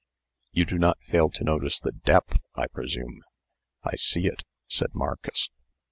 You do not fail to notice the DEPTH, I presume?" "I see it," said Marcus.